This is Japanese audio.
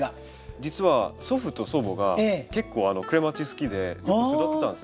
実は祖父と祖母が結構クレマチス好きで育ててたんですよ。